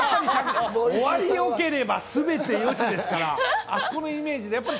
終わり良ければすべて良しですから、あそこのイメージ。